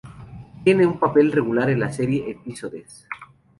Tiene un papel regular en la serie "Episodes".